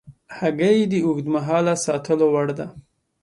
هګۍ د اوږد مهاله ساتلو وړ ده.